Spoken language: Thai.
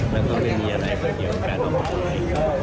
แล้วก็ไม่มีอะไรก็เกี่ยวกับการออกมาเลย